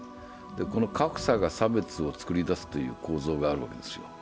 この格差が差別を作り出すという構造があるわけですよ。